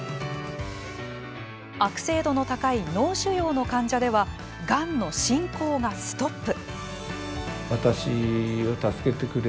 悪性度の高い脳腫瘍の患者ではがんの進行がストップ。